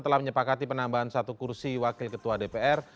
telah menyepakati penambahan satu kursi wakil ketua dpr